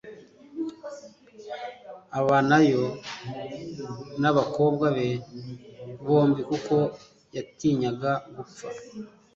abanayo n abakobwa be bombi kuko yatinyaga gupfa